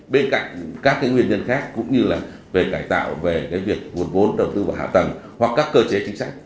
bên cạnh các nguyên nhân khác cũng như là về cải tạo về việc nguồn vốn đầu tư vào hạ tầng hoặc các cơ chế chính sách